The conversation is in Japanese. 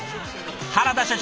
原田社長